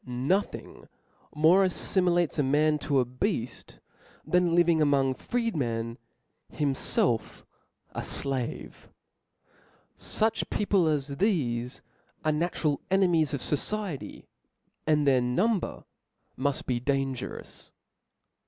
Nothing more aifimilates a man to a bead than living among freemen, himfelf a flave. Such people as thefe are natural enemies of the fociety ; and their num ber muft be dangerous.